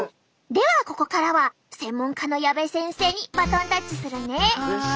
ではここからは専門家の矢部先生にバトンタッチするね！